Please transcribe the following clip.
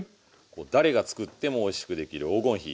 誰が作ってもおいしくできる黄金比。